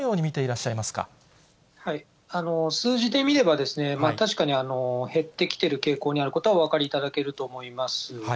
しゃ数字で見ればですね、確かに減ってきている傾向にあることはお分かりいただけると思います。